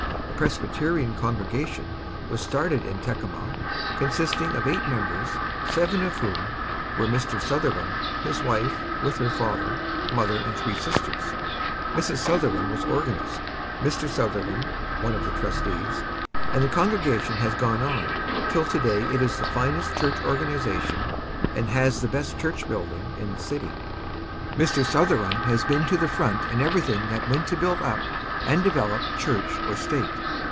A Presbyterian congregation was started in Tekamah, consisting of eight members, seven of whom were Mr. Sutherland, his wife, with her father, mother and three sisters. Mrs. Sutherland was organist, Mr. Sutherland one of the trustees, and the congregation has gone on, till to day it is the finest church organization, and has the best church building in the city. Mr. Sutherland has been to the front in everything that went to build up and develop Church or State.